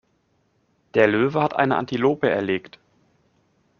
Der Löwe hat eine Antilope erlegt.